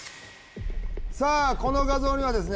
さあこの画像にはですね